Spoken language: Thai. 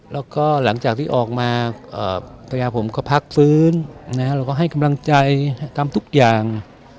แล้วก็หลังจากที่ออกมาภรรยาผมก็พักฟื้นแล้วก็ให้กำลังใจทำทุกอย่าง